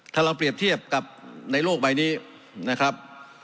ถ้าเราเปรียบเทียบกับในโลกใบนี้นะครับ